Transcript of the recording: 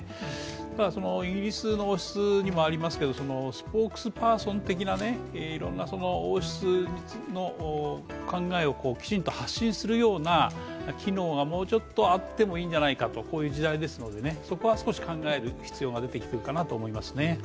ただ、イギリスの王室にもありますけど、スポークスパーソン的ないろんな王室の考えをきちんと発信するような機能がもうちょっとなってもいいのではないか、こういう時代ですのでね、そこは少し考える必要が出てきているかなと思いますね。